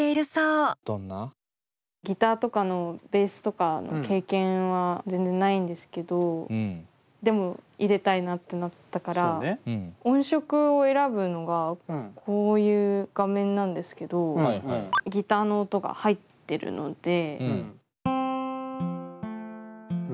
ギターとかのベースとかの経験は全然ないんですけどでも入れたいなってなったから音色を選ぶのがこういう画面なんですけどギターの音が入ってるので。